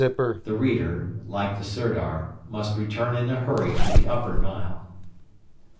The reader, like the Sirdar, must return in a hurry to the Upper Nile.